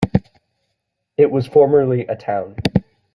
It was formerly a town.